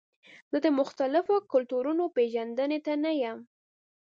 زه د مختلفو کلتورونو پیژندنې ته نه یم.